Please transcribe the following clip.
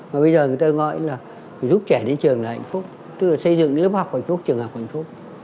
bây giờ người ta gọi là giúp trẻ đến trường là hạnh phúc tức là xây dựng lớp học hạnh phúc trường học hạnh phúc